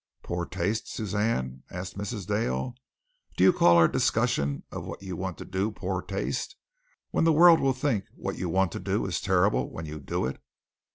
"Poor taste, Suzanne?" asked Mrs. Dale. "Do you call our discussion of what you want to do poor taste, when the world will think that what you want to do is terrible when you do it?"